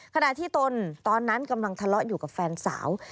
ขณะที่ตนตอนนั้นกำลังทะเลาะอยู่กับแฟนสาว